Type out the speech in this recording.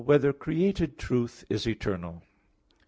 7] Whether Created Truth Is Eternal?